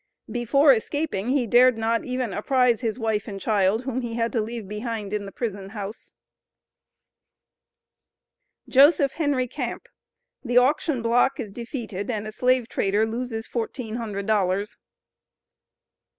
"Before escaping," he "dared not" even apprise his wife and child, whom he had to leave behind in the prison house. JOSEPH HENRY CAMP. THE AUCTION BLOCK IS DEFEATED AND A SLAVE TRADER LOSES FOURTEEN HUNDRED DOLLARS.